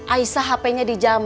aisyah hp nya dijamuk